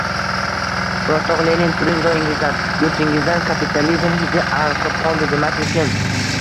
O’rtoq Lenin, turing, joyingizdan — yurtingizdan kapitalizm hidi anqib qoldi, desammikin?